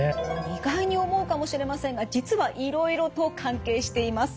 意外に思うかもしれませんが実はいろいろと関係しています。